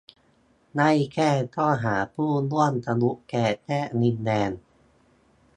ไล่แจ้งข้อหาผู้ร่วมทะลุแก๊สแยกดินแดง